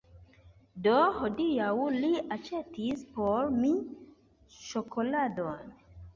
Do, hodiaŭ li aĉetis por mi ĉokoladon